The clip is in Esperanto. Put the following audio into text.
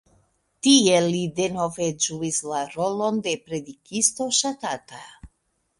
Tie li denove ĝuis la rolon de predikisto ŝatata.